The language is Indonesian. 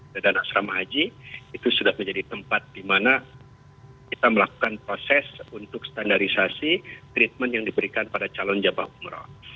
dan asrama haji itu sudah menjadi tempat di mana kita melakukan proses untuk standarisasi treatment yang diberikan pada calon jamaah umroh